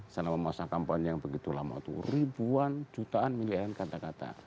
selama masa kampanye yang begitu lama itu ribuan jutaan miliaran kata kata